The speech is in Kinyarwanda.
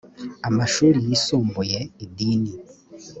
amashuri yisumbuye idini